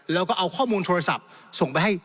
แล้วก็เอาข้อมูลโทรศัพท์ส่งไปให้